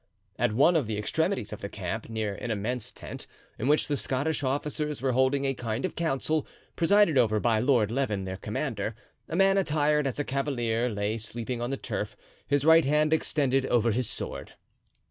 At one of the extremities of the camp, near an immense tent, in which the Scottish officers were holding a kind of council, presided over by Lord Leven, their commander, a man attired as a cavalier lay sleeping on the turf, his right hand extended over his sword.